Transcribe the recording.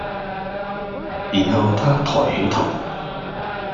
然後他抬起頭，